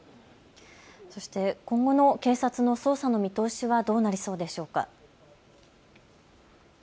そして今後の警察の捜査の見通しはどうなりそうでしょうか。